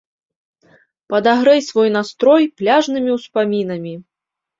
Падагрэй свой настрой пляжнымі успамінамі!